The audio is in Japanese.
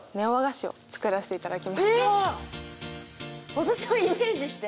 私をイメージして？